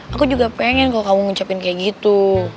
aku juga pengen kalau kamu ngucapin kayak gitu